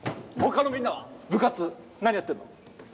他のみんなは部活何やってんの？